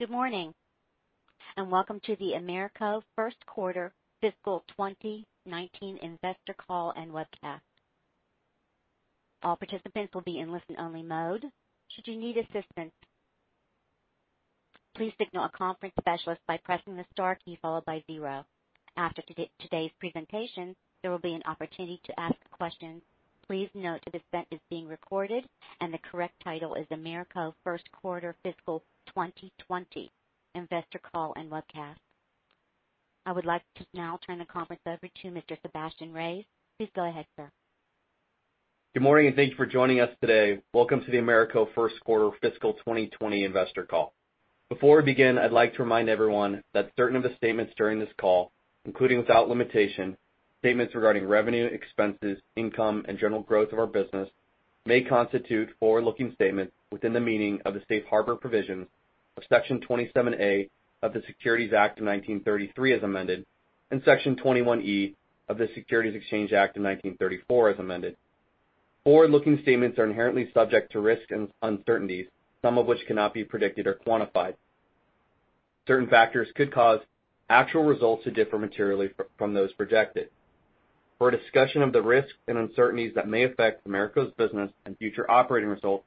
Good morning, and welcome to the AMERCO First Quarter Fiscal 2019 Investor Call and Webcast. All participants will be in listen-only mode. Should you need assistance, please signal a conference specialist by pressing the star key followed by zero. After today, today's presentation, there will be an opportunity to ask questions. Please note, this event is being recorded and the correct title is AMERCO First Quarter Fiscal 2020 Investor Calland Webcast. I would like to now turn the conference over to Mr. Sebastian Reyes. Please go ahead, sir. Good morning, and thank you for joining us today. Welcome to the AMERCO First Quarter Fiscal 2020 Investor Call. Before we begin, I'd like to remind everyone that certain of the statements during this call, including without limitation, statements regarding revenue, expenses, income, and general growth of our business, may constitute forward-looking statements within the meaning of the Safe Harbor provisions of Section 27A of the Securities Act of 1933, as amended, and Section 21E of the Securities Exchange Act of 1934, as amended. Forward-looking statements are inherently subject to risks and uncertainties, some of which cannot be predicted or quantified. Certain factors could cause actual results to differ materially from those projected. For a discussion of the risks and uncertainties that may affect AMERCO's business and future operating results,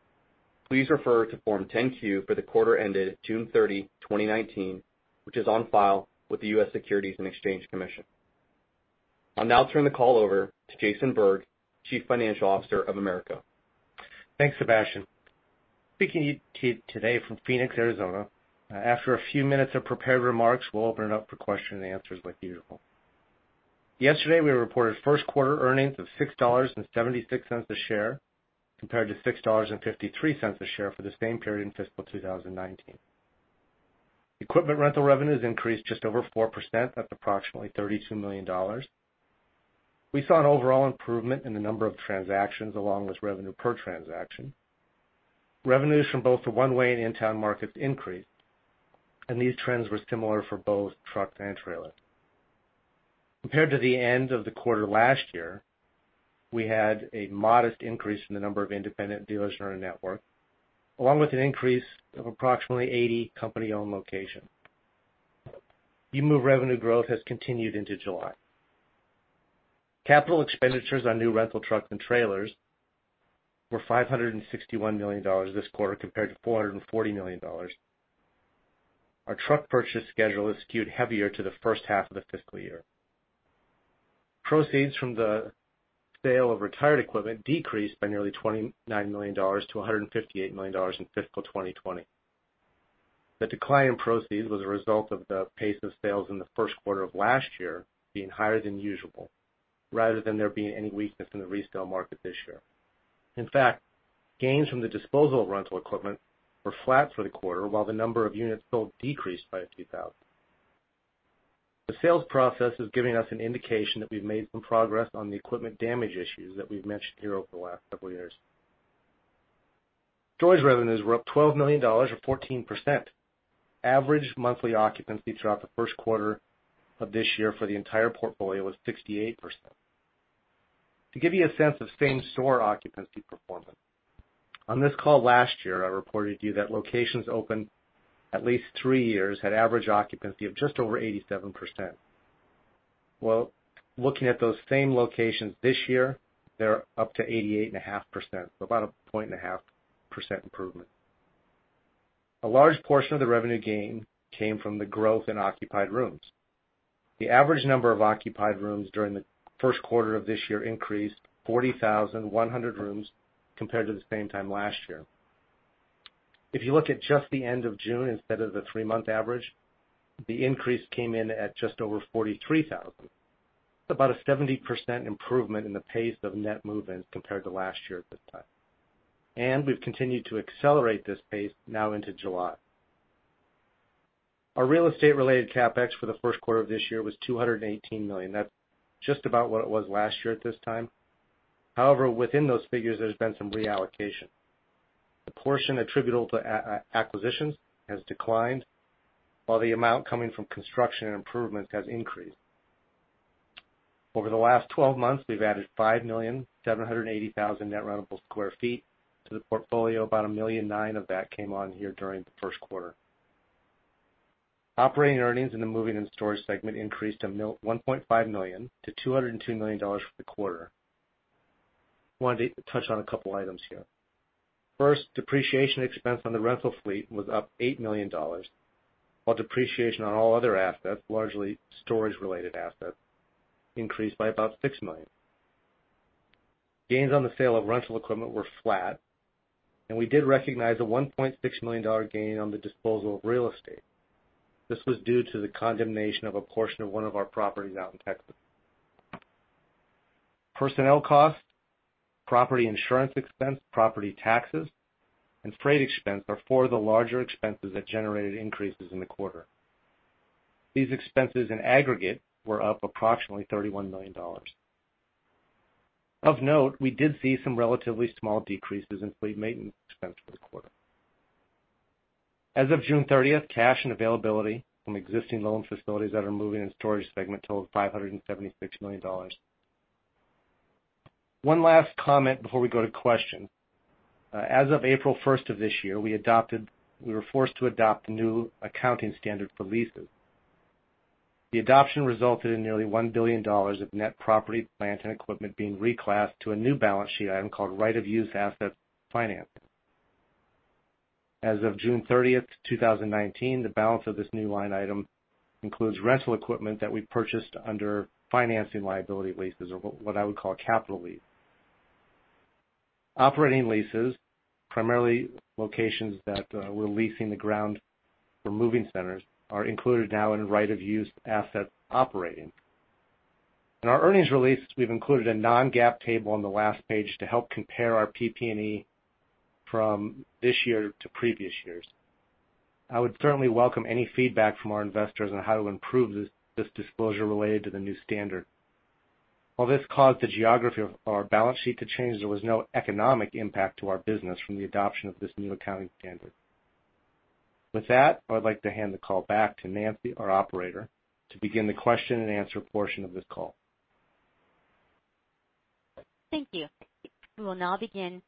please refer to Form 10-Q for the quarter ended June thirty, twenty nineteen, which is on file with the U.S. Securities and Exchange Commission. I'll now turn the call over to Jason Berg, Chief Financial Officer of AMERCO. Thanks, Sebastian. Speaking to you today from Phoenix, Arizona. After a few minutes of prepared remarks, we'll open it up for question and answers like usual. Yesterday, we reported first quarter earnings of $6.76 a share, compared to $6.53 a share for the same period in fiscal 2019. Equipment rental revenues increased just over 4% at approximately $32 million. We saw an overall improvement in the number of transactions, along with revenue per transaction. Revenues from both the one-way and in-town markets increased, and these trends were similar for both truck and trailer. Compared to the end of the quarter last year, we had a modest increase in the number of independent dealers in our network, along with an increase of approximately 80 company-owned locations. U-Move revenue growth has continued into July. Capital expenditures on new rental trucks and trailers were $561 million this quarter, compared to $440 million. Our truck purchase schedule is skewed heavier to the first half of the fiscal year. Proceeds from the sale of retired equipment decreased by nearly $29 million to $158 million in fiscal 2020. The decline in proceeds was a result of the pace of sales in the first quarter of last year being higher than usual, rather than there being any weakness in the resale market this year. In fact, gains from the disposal of rental equipment were flat for the quarter, while the number of units sold decreased by a few thousand. The sales process is giving us an indication that we've made some progress on the equipment damage issues that we've mentioned here over the last couple of years. Storage revenues were up $12 million, or 14%. Average monthly occupancy throughout the first quarter of this year for the entire portfolio was 68%. To give you a sense of same-store occupancy performance, on this call last year, I reported to you that locations open at least three years had average occupancy of just over 87%. Looking at those same locations this year, they're up to 88.5%, so about a point and a half percent improvement. A large portion of the revenue gain came from the growth in occupied rooms. The average number of occupied rooms during the first quarter of this year increased 40,100 rooms compared to the same time last year. If you look at just the end of June instead of the three-month average, the increase came in at just over 43,000. About a 70% improvement in the pace of net move-ins compared to last year at this time. We've continued to accelerate this pace now into July. Our real estate-related CapEx for the first quarter of this year was $218 million. That's just about what it was last year at this time. However, within those figures, there's been some reallocation. The portion attributable to acquisitions has declined, while the amount coming from construction and improvements has increased. Over the last 12 months, we've added 5,780,000 net rentable sq ft to the portfolio. About 1.9 million of that came online during the first quarter. Operating earnings in the Moving and Storage segment increased from $1.5 million to $202 million for the quarter. Wanted to touch on a couple items here. First, depreciation expense on the rental fleet was up $8 million, while depreciation on all other assets, largely storage-related assets, increased by about $6 million. Gains on the sale of rental equipment were flat, and we did recognize a $1.6 million gain on the disposal of real estate. This was due to the condemnation of a portion of one of our properties out in Texas. Personnel costs, property insurance expense, property taxes, and freight expense are four of the larger expenses that generated increases in the quarter. These expenses, in aggregate, were up approximately $31 million. Of note, we did see some relatively small decreases in fleet maintenance expense for the quarter. As of June thirtieth, cash and availability from existing loan facilities that are in Moving and Storage segment totaled $576 million. One last comment before we go to questions. As of April first of this year, we adopted- we were forced to adopt a new accounting standard for leases. The adoption resulted in nearly $1 billion of net property, plant, and equipment being reclassed to a new balance sheet item called Right-of-Use Asset Financing. As of June thirtieth, twenty nineteen, the balance of this new line item includes rental equipment that we purchased under financing liability leases, or what I would call a capital lease. Operating leases, primarily locations that we're leasing the ground for moving centers, are included now in Right-of-Use Asset Operating. In our earnings release, we've included a non-GAAP table on the last page to help compare our PP&E from this year to previous years. I would certainly welcome any feedback from our investors on how to improve this disclosure related to the new standard. While this caused the geography of our balance sheet to change, there was no economic impact to our business from the adoption of this new accounting standard. With that, I would like to hand the call back to Nancy, our operator, to begin the question and answer portion of this call. Thank you. We will now begin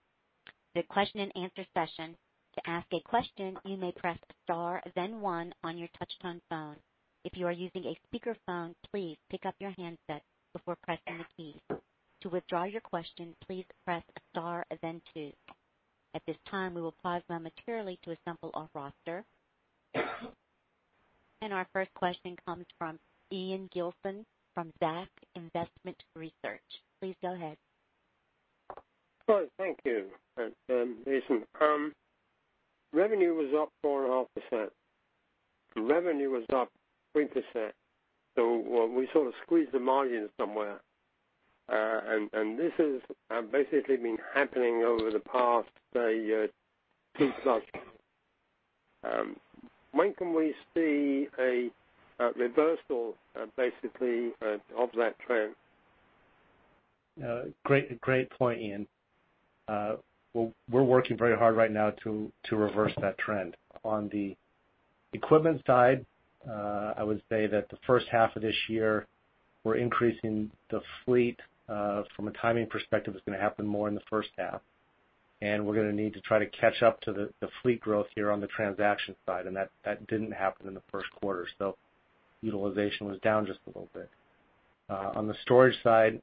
the question and answer session. To ask a question, you may press star, then one on your touchtone phone. If you are using a speakerphone, please pick up your handset before pressing the key. To withdraw your question, please press star, then two. At this time, we will pause momentarily to assemble our roster. And our first question comes from Ian Gilson from Zacks Investment Research. Please go ahead. Well, thank you, Jason. Revenue was up 4.5%. Revenue was up 3%, so we sort of squeezed the margins somewhere. And this is basically been happening over the past two plus years. When can we see a reversal, basically, of that trend? Great, great point, Ian. We're working very hard right now to reverse that trend. On the equipment side, I would say that the first half of this year, we're increasing the fleet. From a timing perspective, it's gonna happen more in the first half, and we're gonna need to try to catch up to the fleet growth here on the transaction side, and that didn't happen in the first quarter. So utilization was down just a little bit. On the storage side,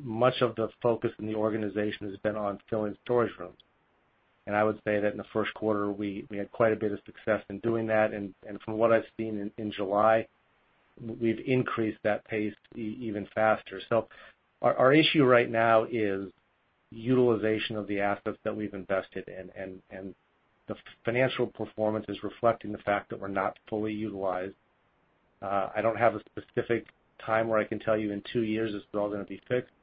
much of the focus in the organization has been on filling storage rooms. And I would say that in the first quarter, we had quite a bit of success in doing that. And from what I've seen in July, we've increased that pace even faster. So our issue right now is utilization of the assets that we've invested in, and the financial performance is reflecting the fact that we're not fully utilized. I don't have a specific time where I can tell you in two years, this is all gonna be fixed.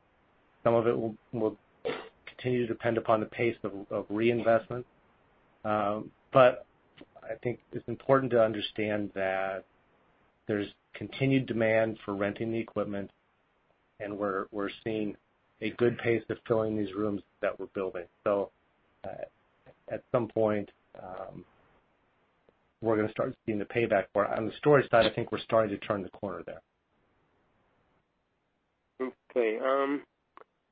Some of it will continue to depend upon the pace of reinvestment. But I think it's important to understand that there's continued demand for renting the equipment, and we're seeing a good pace of filling these rooms that we're building. So at some point, we're gonna start seeing the payback for it. On the storage side, I think we're starting to turn the corner there. Okay,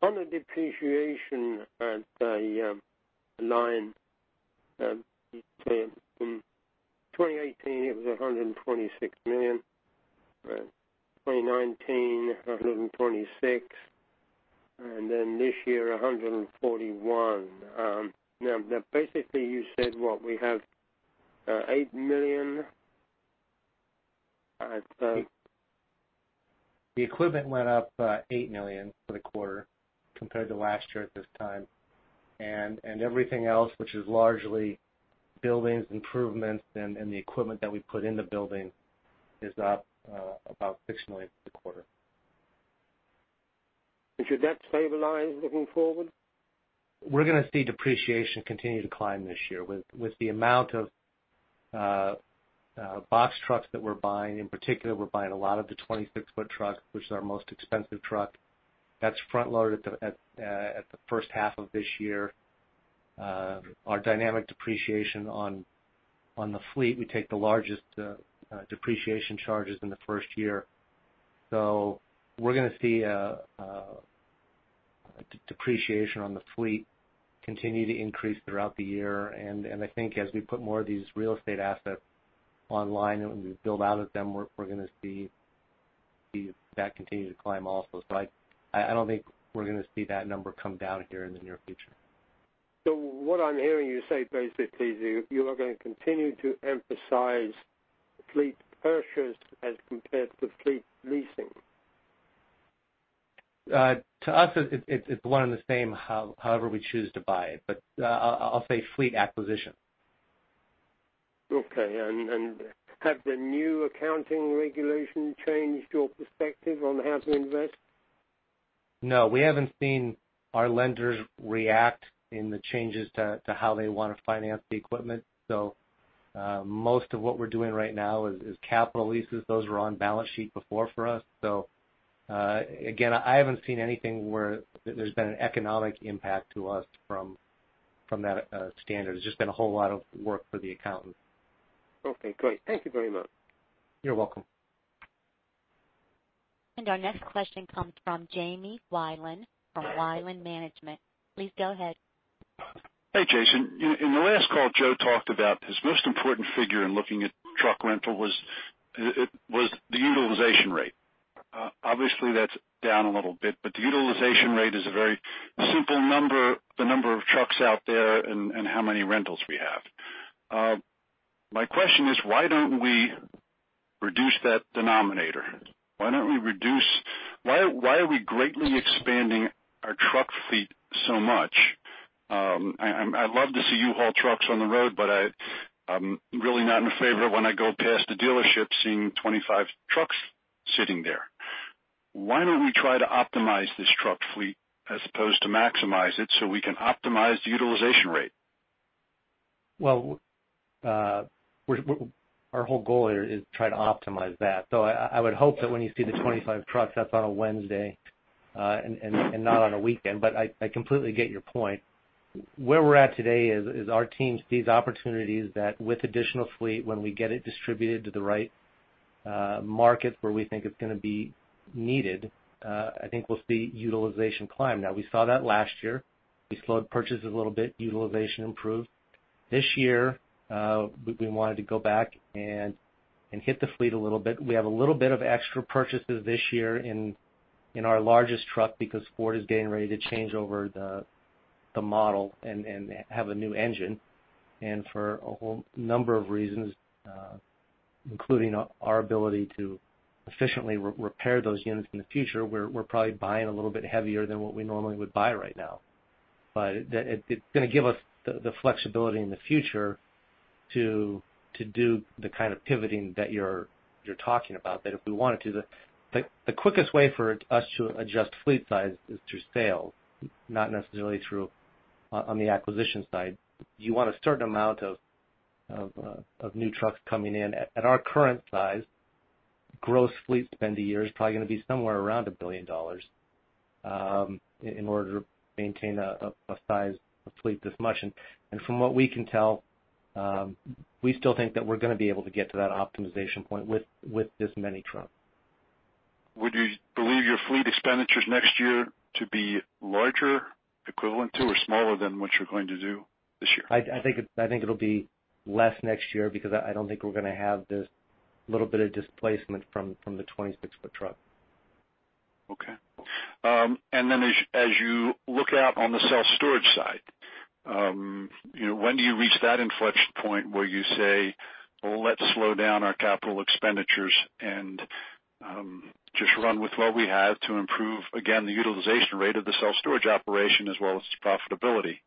on the depreciation at the line, in 2018, it was $126 million. Right. Twenty nineteen, a hundred and twenty-six, and then this year, a hundred and forty-one. Now, basically, you said, what, we have, eight million? So- The equipment went up $8 million for the quarter compared to last year at this time, and everything else, which is largely buildings, improvements, and the equipment that we put in the building is up about $6 million for the quarter. Should that stabilize looking forward? We're gonna see depreciation continue to climb this year. With the amount of box trucks that we're buying, in particular, we're buying a lot of the 26-foot trucks, which is our most expensive truck. That's front-loaded at the first half of this year. Our dynamic depreciation on the fleet, we take the largest depreciation charges in the first year. So we're gonna see a depreciation on the fleet continue to increase throughout the year. And I think as we put more of these real estate assets online and we build out of them, we're gonna see that continue to climb also. So I don't think we're gonna see that number come down here in the near future. So what I'm hearing you say, basically, is you, you are gonna continue to emphasize fleet purchase as compared to fleet leasing. To us, it's one and the same, however we choose to buy it, but I'll say fleet acquisition. Okay, and have the new accounting regulation changed your perspective on how to invest? No, we haven't seen our lenders react to the changes to how they want to finance the equipment. So, most of what we're doing right now is capital leases. Those were on balance sheet before for us. So, again, I haven't seen anything where there's been an economic impact to us from that standard. It's just been a whole lot of work for the accountants.... Okay, great. Thank you very much. You're welcome. And our next question comes from Jamie Wilen from Wilen Management. Please go ahead. Hey, Jason. In the last call, Joe talked about his most important figure in looking at truck rental was, it was the utilization rate. Obviously, that's down a little bit, but the utilization rate is a very simple number, the number of trucks out there and how many rentals we have. My question is, why don't we reduce that denominator? Why are we greatly expanding our truck fleet so much? I'd love to see U-Haul trucks on the road, but I'm really not in favor of when I go past the dealership, seeing 25 trucks sitting there. Why don't we try to optimize this truck fleet as opposed to maximize it, so we can optimize the utilization rate? Our whole goal here is try to optimize that. So I would hope that when you see the 25 trucks, that's on a Wednesday, and not on a weekend, but I completely get your point. Where we're at today is our team sees opportunities that with additional fleet, when we get it distributed to the right markets where we think it's gonna be needed, I think we'll see utilization climb. Now, we saw that last year. We slowed purchases a little bit, utilization improved. This year, we wanted to go back and hit the fleet a little bit. We have a little bit of extra purchases this year in our largest truck, because Ford is getting ready to change over the model and have a new engine. And for a whole number of reasons, including our ability to efficiently repair those units in the future, we're probably buying a little bit heavier than what we normally would buy right now. But it's gonna give us the flexibility in the future to do the kind of pivoting that you're talking about, that if we wanted to. The quickest way for us to adjust fleet size is through sales, not necessarily through on the acquisition side. You want a certain amount of new trucks coming in. At our current size, gross fleet spend a year is probably gonna be somewhere around $1 billion in order to maintain a fleet this much. From what we can tell, we still think that we're gonna be able to get to that optimization point with this many trucks. Would you believe your fleet expenditures next year to be larger, equivalent to, or smaller than what you're going to do this year? I think it'll be less next year because I don't think we're gonna have this little bit of displacement from the twenty-six-foot truck. Okay. And then as you look out on the self-storage side, you know, when do you reach that inflection point where you say, "Let's slow down our capital expenditures and just run with what we have to improve, again, the utilization rate of the self-storage operation as well as its profitability?"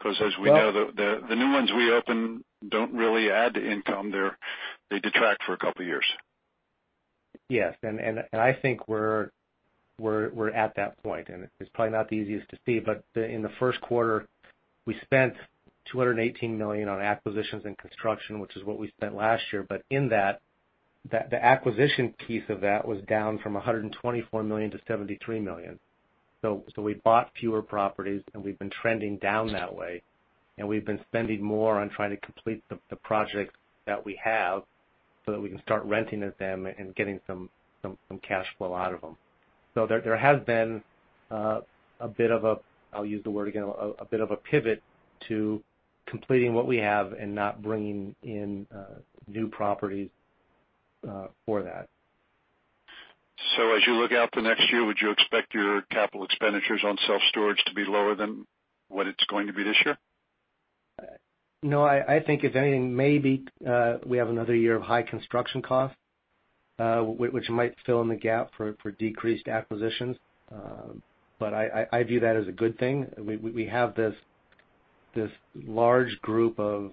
'Cause as we know, the new ones we open don't really add to income. They detract for a couple of years. Yes, and I think we're at that point, and it's probably not the easiest to see, but in the first quarter, we spent $218 million on acquisitions and construction, which is what we spent last year. But in that, the acquisition piece of that was down from $124 million to $73 million. So we bought fewer properties, and we've been trending down that way, and we've been spending more on trying to complete the projects that we have, so that we can start renting them and getting some cash flow out of them. So there has been a bit of a, I'll use the word again, a bit of a pivot to completing what we have and not bringing in new properties for that. So as you look out the next year, would you expect your capital expenditures on self-storage to be lower than what it's going to be this year? No, I think if anything, maybe we have another year of high construction costs, which might fill in the gap for decreased acquisitions. But I view that as a good thing. We have this large group of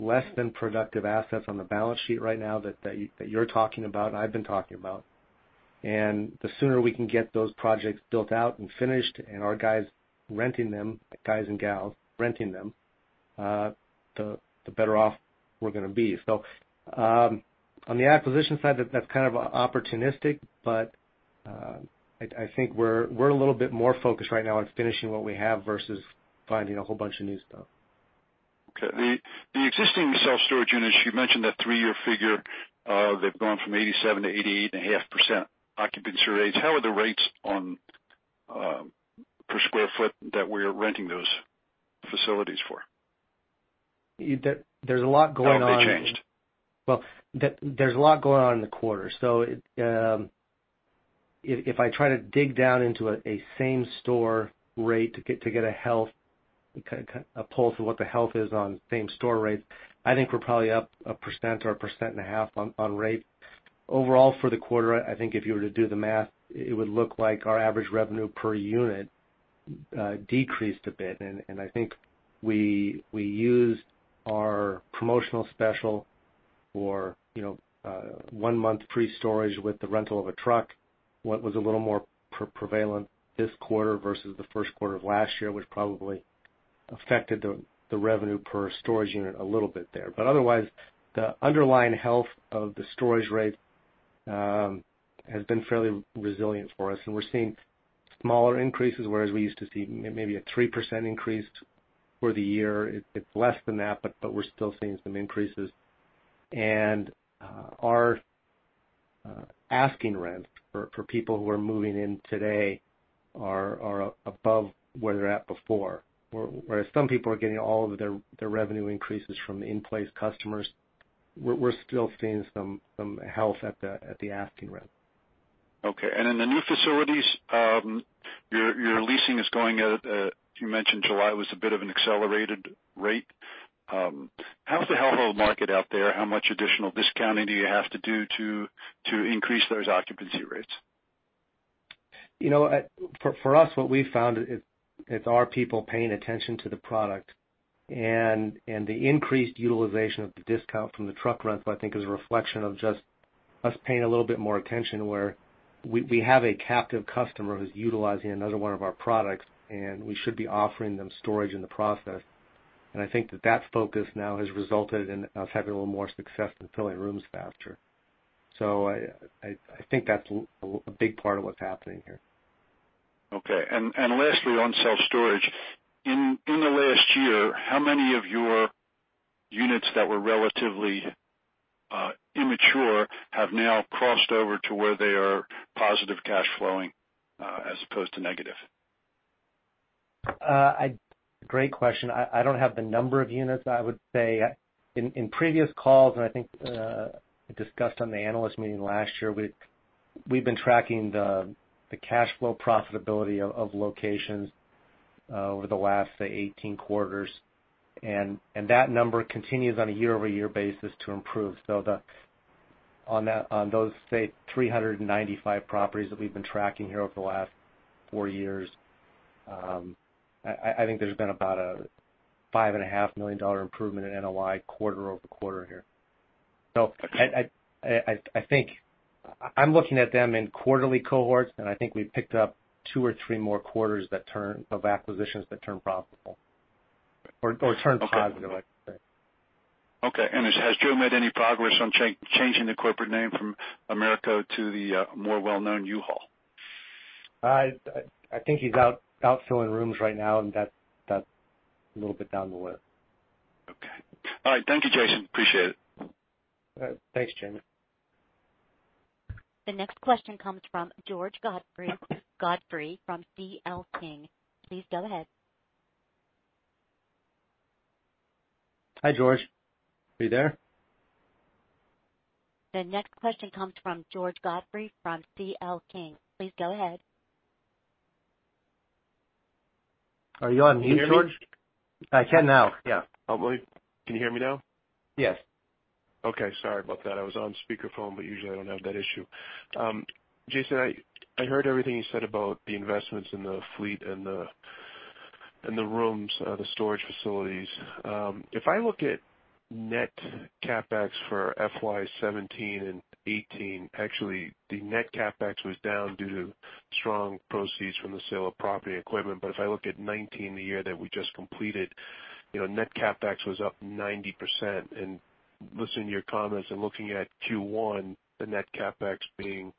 less than productive assets on the balance sheet right now that you're talking about, and I've been talking about. And the sooner we can get those projects built out and finished and our guys renting them, the guys and gals renting them, the better off we're gonna be. So, on the acquisition side, that's kind of opportunistic, but I think we're a little bit more focused right now on finishing what we have versus finding a whole bunch of new stuff. Okay. The existing self-storage units, you mentioned that three-year figure. They've gone from 87%-88.5% occupancy rates. How are the rates on per sq ft that we're renting those facilities for? There's a lot going on- How have they changed? Well, there's a lot going on in the quarter. If I try to dig down into a same store rate to get a health, kind of a pulse of what the health is on same store rates, I think we're probably up 1% or 1.5% on rate. Overall, for the quarter, I think if you were to do the math, it would look like our average revenue per unit decreased a bit. I think we used our promotional special for you know one month free storage with the rental of a truck that was a little more prevalent this quarter versus the first quarter of last year, which probably affected the revenue per storage unit a little bit there. But otherwise, the underlying health of the storage rates... has been fairly resilient for us, and we're seeing smaller increases, whereas we used to see maybe a 3% increase for the year. It's less than that, but we're still seeing some increases. And our asking rent for people who are moving in today are above where they're at before. Whereas some people are getting all of their revenue increases from in-place customers, we're still seeing some health at the asking rent. Okay. And in the new facilities, your leasing is going at, you mentioned July was a bit of an accelerated rate. How's the household market out there? How much additional discounting do you have to do to increase those occupancy rates? You know, for us, what we've found is our people paying attention to the product. And the increased utilization of the discount from the truck rental, I think is a reflection of just us paying a little bit more attention, where we have a captive customer who's utilizing another one of our products, and we should be offering them storage in the process. And I think that focus now has resulted in us having a little more success in filling rooms faster. So I think that's a big part of what's happening here. Okay, and lastly, on self-storage, in the last year, how many of your units that were relatively immature have now crossed over to where they are positive cash flowing, as opposed to negative? Great question. I don't have the number of units. I would say, in previous calls, and I think I discussed on the analyst meeting last year, we've been tracking the cash flow profitability of locations over the last, say, 18 quarters. And that number continues on a year-over-year basis to improve. So on those, say, 395 properties that we've been tracking here over the last four years, I think there's been about a $5.5 million improvement in NOI quarter over quarter here. So I think I'm looking at them in quarterly cohorts, and I think we've picked up two or three more quarters of acquisitions that turn profitable or turn positive, I'd say. Okay. Has Joe made any progress on changing the corporate name from AMERCO to the more well-known U-Haul? I think he's out filling rooms right now, and that's a little bit down the list. Okay. All right, thank you, Jason. Appreciate it. Thanks, Jamie. The next question comes from George Godfrey from CL King. Please go ahead. Hi, George. Are you there? The next question comes from George Godfrey from CL King. Please go ahead. Are you on mute, George? Can you hear me? I can now, yeah. Oh, wait. Can you hear me now? Yes. Okay. Sorry about that. I was on speakerphone, but usually I don't have that issue. Jason, I heard everything you said about the investments in the fleet and the, and the rooms, the storage facilities. If I look at net CapEx for FY 2017 and 2018, actually, the net CapEx was down due to strong proceeds from the sale of property equipment. But if I look at 2019, the year that we just completed, you know, net CapEx was up 90%. Listening to your comments and looking at Q1, the net CapEx being,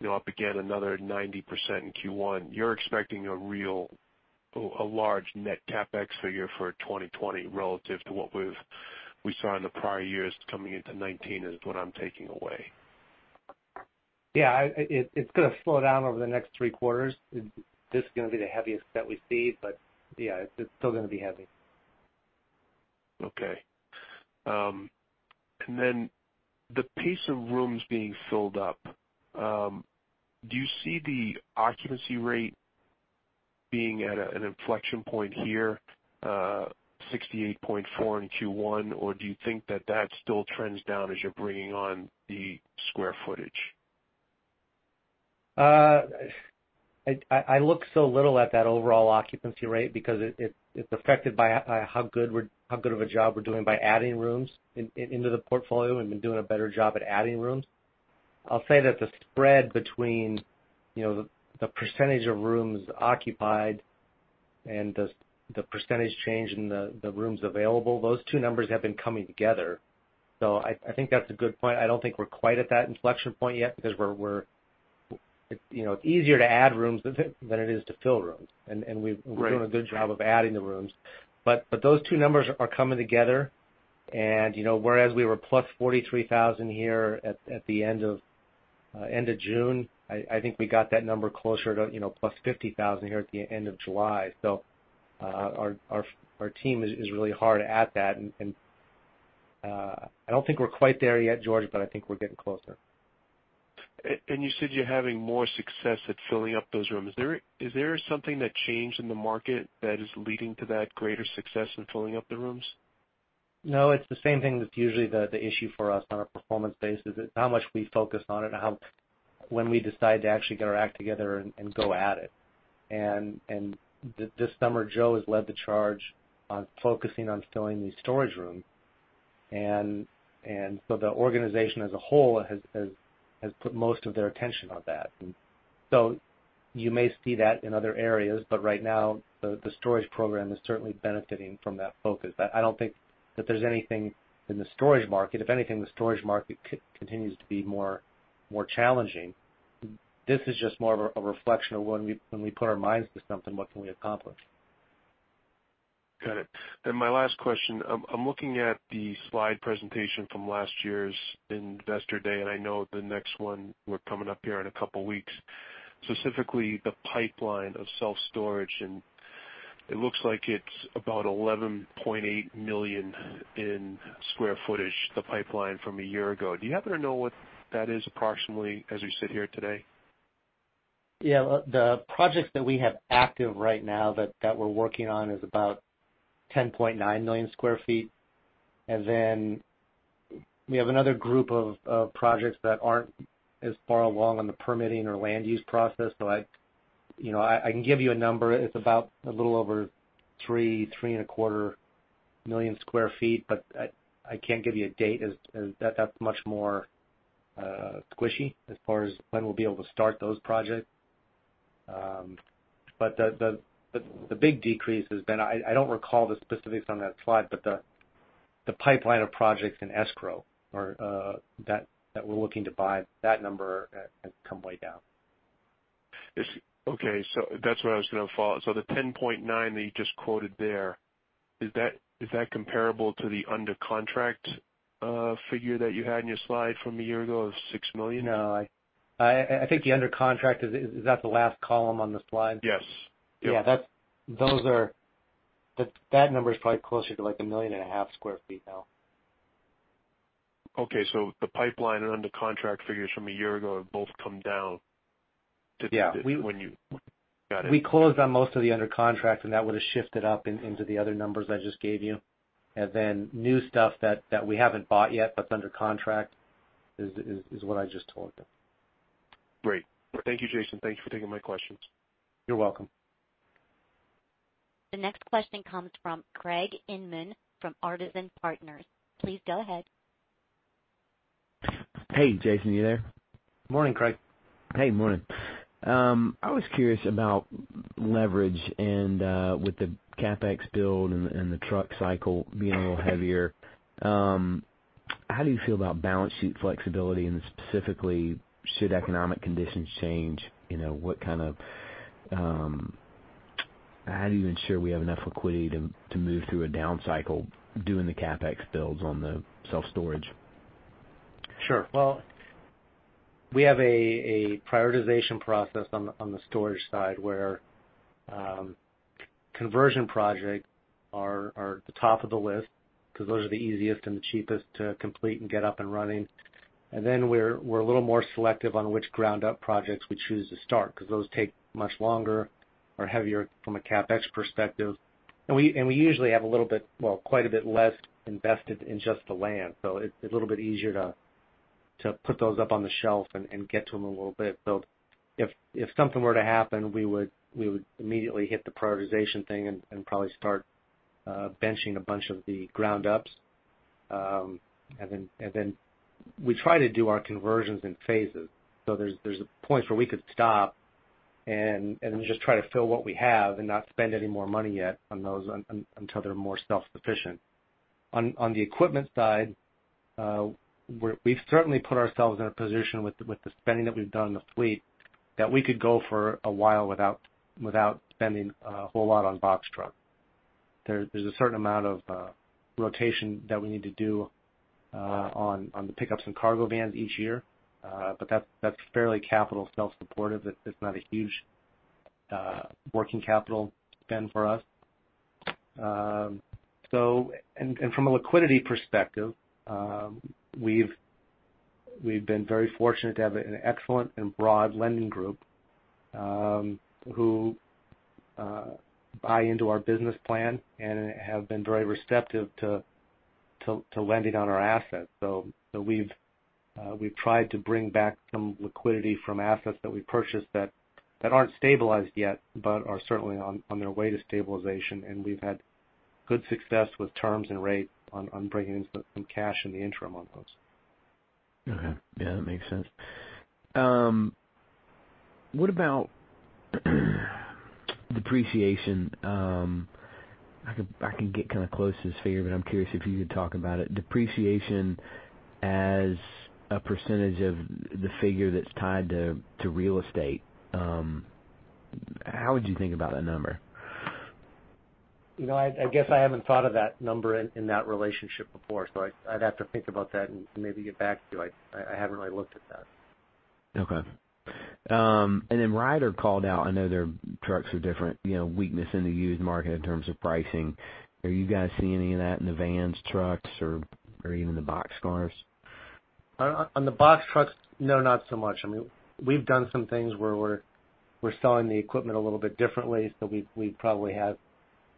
you know, up again, another 90% in Q1, you're expecting a large net CapEx figure for 2020 relative to what we saw in the prior years coming into 2019, is what I'm taking away. Yeah, it's gonna slow down over the next three quarters. This is gonna be the heaviest that we see, but yeah, it's still gonna be heavy. Okay, and then the pace of rooms being filled up, do you see the occupancy rate being at an inflection point here, 68.4% in Q1? Or do you think that still trends down as you're bringing on the square footage? I look so little at that overall occupancy rate because it's affected by how good of a job we're doing by adding rooms into the portfolio and been doing a better job at adding rooms. I'll say that the spread between, you know, the percentage of rooms occupied and the percentage change in the rooms available, those two numbers have been coming together. So I think that's a good point. I don't think we're quite at that inflection point yet because, you know, it's easier to add rooms than it is to fill rooms. Right. We've been doing a good job of adding the rooms. But those two numbers are coming together and, you know, whereas we were plus 43,000 here at the end of June, I think we got that number closer to, you know, plus 50,000 here at the end of July. So our team is really hard at that, and I don't think we're quite there yet, George, but I think we're getting closer. And you said you're having more success at filling up those rooms. Is there something that changed in the market that is leading to that greater success in filling up the rooms? No, it's the same thing that's usually the issue for us on a performance basis. It's how much we focus on it and how we decide to actually get our act together and go at it. This summer, Joe has led the charge on focusing on filling the storage room. The organization as a whole has put most of their attention on that. You may see that in other areas, but right now, the storage program is certainly benefiting from that focus. I don't think that there's anything in the storage market. If anything, the storage market continues to be more challenging. This is just more of a reflection of when we put our minds to something. What can we accomplish? Got it. Then my last question. I'm looking at the slide presentation from last year's Investor Day, and I know the next one we're coming up here in a couple weeks. Specifically, the pipeline of self-storage, and it looks like it's about 11.8 million sq ft, the pipeline from a year ago. Do you happen to know what that is approximately as we sit here today? Yeah. Well, the projects that we have active right now that we're working on is about 10.9 million sq ft. And then we have another group of projects that aren't as far along on the permitting or land use process. So I, you know, I can give you a number. It's about a little over three and a quarter million sq ft, but I can't give you a date as that's much more squishy as far as when we'll be able to start those projects. But the big decrease has been... I don't recall the specifics on that slide, but the pipeline of projects in escrow or that we're looking to buy, that number has come way down. It's okay, so that's what I was gonna follow. So the $10.9 that you just quoted there, is that, is that comparable to the under contract figure that you had in your slide from a year ago of $6 million? No. I think the under contract is that the last column on the slide? Yes. Yeah, that number is probably closer to, like, 1.5 million sq ft now. Okay. So the pipeline and under contract figures from a year ago have both come down to- Yeah. When you... Got it. We closed on most of the under contract, and that would have shifted up into the other numbers I just gave you. And then new stuff that we haven't bought yet but is under contract is what I just told you. Great. Thank you, Jason. Thank you for taking my questions. You're welcome. The next question comes from Craig Inman from Artisan Partners. Please go ahead. Hey, Jason, you there? Morning, Craig. Hey, morning. I was curious about leverage and, with the CapEx build and the truck cycle being a little heavier, how do you feel about balance sheet flexibility? And specifically, should economic conditions change, you know, what kind of, How do you ensure we have enough liquidity to move through a down cycle doing the CapEx builds on the self-storage? Sure. Well, we have a prioritization process on the storage side, where conversion projects are the top of the list because those are the easiest and the cheapest to complete and get up and running. And then we're a little more selective on which ground-up projects we choose to start, because those take much longer, are heavier from a CapEx perspective, and we usually have a little bit, well, quite a bit less invested in just the land. So it's a little bit easier to put those up on the shelf and get to them a little bit. So if something were to happen, we would immediately hit the prioritization thing and probably start benching a bunch of the ground-ups. And then we try to do our conversions in phases. So there's points where we could stop and just try to fill what we have and not spend any more money yet on those until they're more self-sufficient. On the equipment side, we've certainly put ourselves in a position with the spending that we've done in the fleet, that we could go for a while without spending a whole lot on box truck. There's a certain amount of rotation that we need to do on the pickups and cargo vans each year. But that's fairly capital self-supportive. It's not a huge working capital spend for us. So... And from a liquidity perspective, we've been very fortunate to have an excellent and broad lending group who buy into our business plan and have been very receptive to lending on our assets. So we've tried to bring back some liquidity from assets that we purchased that aren't stabilized yet, but are certainly on their way to stabilization. And we've had good success with terms and rate on bringing in some cash in the interim on those. Okay. Yeah, that makes sense. What about depreciation? I can get kind of close to this figure, but I'm curious if you could talk about it. Depreciation as a percentage of the figure that's tied to real estate, how would you think about that number? You know, I guess I haven't thought of that number in that relationship before, so I'd have to think about that and maybe get back to you. I haven't really looked at that. Okay, and then Ryder called out. I know their trucks are different, you know, weakness in the used market in terms of pricing. Are you guys seeing any of that in the vans, trucks, or even the U-Box? On the box trucks, no, not so much. I mean, we've done some things where we're selling the equipment a little bit differently, so we probably have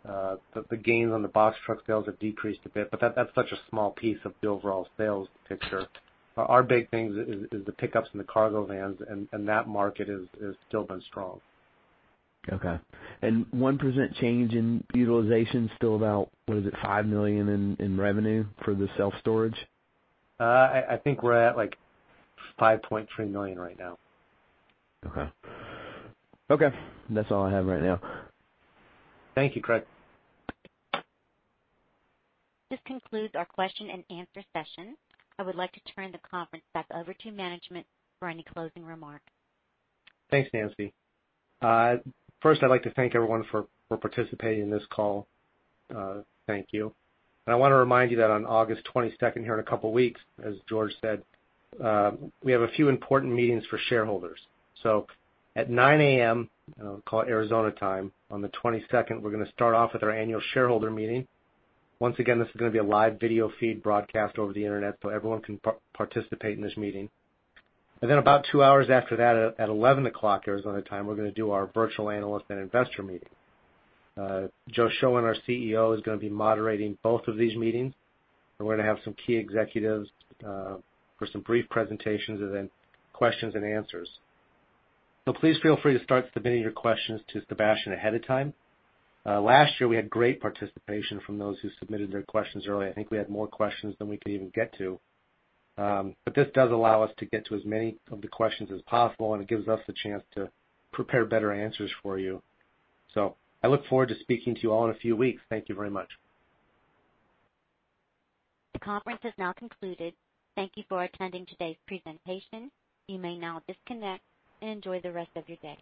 the gains on the box truck sales have decreased a bit, but that's such a small piece of the overall sales picture. Our big thing is the pickups and the cargo vans, and that market is still been strong. Okay. And 1% change in utilization is still about, what is it, $5 million in revenue for the self-storage? I think we're at, like, $5.3 million right now. Okay. Okay, that's all I have right now. Thank you, Craig. This concludes our question and answer session. I would like to turn the conference back over to management for any closing remarks. Thanks, Nancy. First, I'd like to thank everyone for, for participating in this call. Thank you. I want to remind you that on August twenty-second, here in a couple of weeks, as George said, we have a few important meetings for shareholders. So at 9:00 A.M., call it Arizona time, on the twenty-second, we're gonna start off with our annual shareholder meeting. Once again, this is gonna be a live video feed broadcast over the internet, so everyone can participate in this meeting. And then, about two hours after that, at 11:00 A.M. Arizona time, we're gonna do our virtual analyst and investor meeting. Joe Shoen, our CEO, is gonna be moderating both of these meetings, and we're gonna have some key executives for some brief presentations and then questions and answers. So please feel free to start submitting your questions to Sebastian ahead of time. Last year, we had great participation from those who submitted their questions early. I think we had more questions than we could even get to. But this does allow us to get to as many of the questions as possible, and it gives us the chance to prepare better answers for you. So I look forward to speaking to you all in a few weeks. Thank you very much. The conference has now concluded. Thank you for attending today's presentation. You may now disconnect and enjoy the rest of your day.